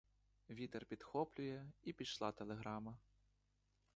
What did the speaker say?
Вітер підхоплює — і пішла телеграма.